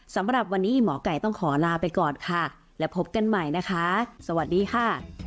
สำหรับวันนี้หมอไก่ต้องขอลาไปก่อนค่ะและพบกันใหม่นะคะสวัสดีค่ะ